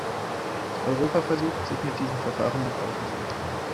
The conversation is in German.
Europa versucht, sich mit diesem Verfahren nach außen zu öffnen.